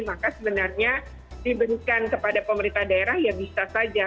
maka sebenarnya diberikan kepada pemerintah daerah ya bisa saja